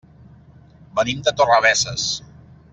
Venim de Torrebesses.